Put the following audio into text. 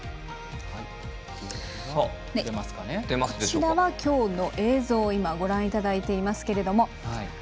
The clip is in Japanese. こちらはきょうの映像をご覧いただいていますけど。